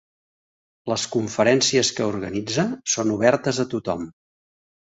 Les conferències que organitza són obertes a tothom.